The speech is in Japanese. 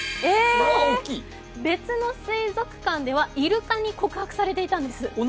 別の水族館ではイルカに告白されていたんです